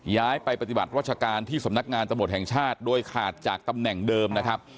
ย้ายไปปฏิบัติรัชการที่สำนักงานตำรวจแห่งชาติโดยขาดจากตำแหน่งเดิมนะครับ